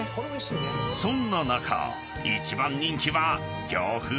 ［そんな中一番人気は京風の］